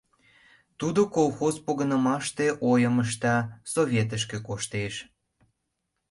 Тудо колхоз погынымаште ойым ышта, советышке коштеш.